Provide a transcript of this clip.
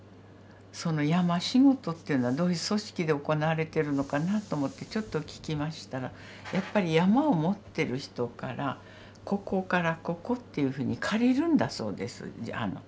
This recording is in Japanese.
その山仕事っていうのはどういう組織で行われてるのかなと思ってちょっとききましたらやっぱり山を持ってる人から「ここからここ」っていうふうに借りるんだそうです。